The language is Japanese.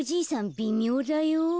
びみょうだよ。